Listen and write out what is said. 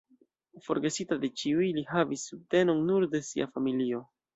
Forgesita de ĉiuj, li havis subtenon nur de sia familio.